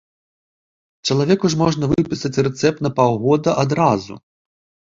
Чалавеку ж можна выпісаць рэцэпт на паўгода адразу!